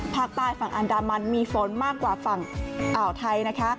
ภาคใต้ฝั่งอันดามันมีฝนมากกว่าฝั่งอ่าวไทยนะคะ